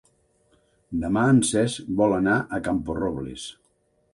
Demà en Cesc vol anar a Camporrobles.